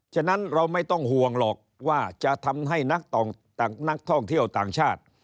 ฉะนั้นเราไม่ต้องห่วงหรอกว่าจะทำให้นักท่องเที่ยวต่างชาติ